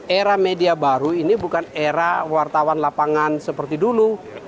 era media baru ini bukan era wartawan lapangan seperti dulu